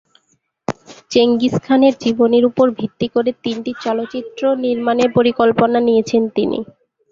চেঙ্গিজ খানের জীবনীর উপর ভিত্তি করে তিনটি চলচ্চিত্র নির্মাণের পরিকল্পনা নিয়েছেন তিনি।